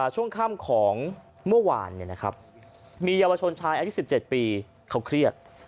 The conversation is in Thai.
ช่วงข้ามของเมื่อวานเนี่ยนะครับมีเยาวชนชายอันที่๑๗ปีเขาเครียด